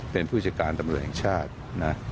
เป็นผู้จัดการตำรวจแห่งชาตินะ